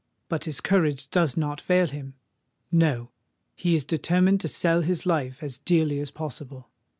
But his courage does not fail him:—no—he is determined to sell his life as dearly as possible!